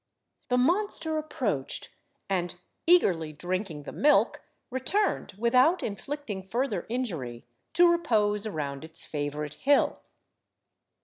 The monster approached and, eagerly drinking the milk, returned without inflicting further injury, to repose around its favourite hill.